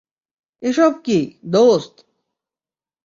এ সব কি, দোস্ত?